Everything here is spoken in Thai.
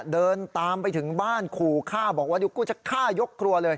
เดินตามไปถึงบ้านขู่ฆ่าบอกว่าเดี๋ยวกูจะฆ่ายกครัวเลย